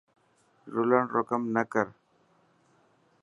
رولڻ رو ڪم نه ڪر.